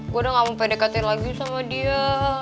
gue udah gak mau pedekatin lagi sama dia